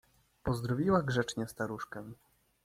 Pozdrowiła grzecznie staruszkę.